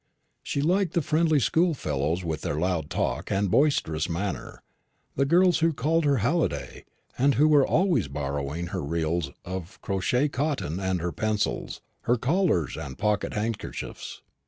She liked the friendly schoolfellows with their loud talk and boisterous manners, the girls who called her "Halliday," and who were always borrowing her reels of crochet cotton and her pencils, her collars and pocket handkerchiefs.